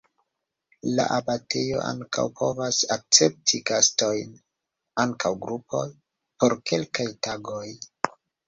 La abatejo ankaŭ povas akcepti gastojn (ankaŭ grupoj) por kelkaj tagoj.